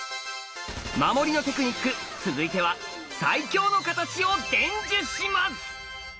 守りのテクニック続いては最強のカタチを伝授します！